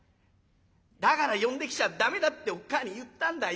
だから呼んできちゃ駄目だっておっ母ぁに言ったんだ。